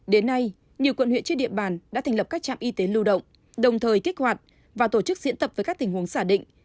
đến nay nhiều quận huyện trên địa bàn đã thành lập các trạm y tế lưu động đồng thời kích hoạt và tổ chức diễn tập với các tình huống giả định